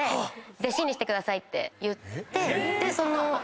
「弟子にしてください」って？